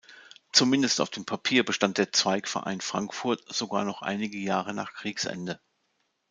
Zumindest auf dem Papier bestand der Zweigverein Frankfurt sogar noch einige Jahre nach Kriegsende.